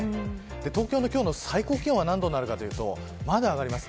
東京の今日の最高気温は何度になるかというとまだ上がります。